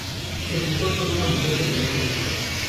Se juntó con una mujer que tenía tres hijos.